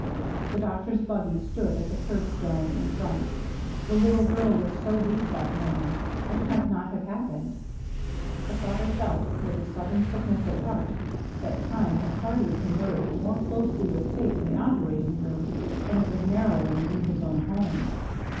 The doctor's buggy stood at the curbstone in front. The Kttle girl was so weak that morn ing — what might not have happened ? The father felt, with a sudden sickness of heart, that time had hardly converged more closely with fate in the operating room than it was narroT^g in his own home.